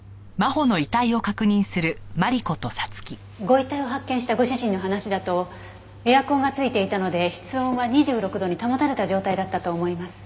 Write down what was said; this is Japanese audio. ご遺体を発見したご主人の話だとエアコンがついていたので室温は２６度に保たれた状態だったと思います。